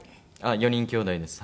４人きょうだいです。